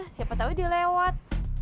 siapa tau dia lewat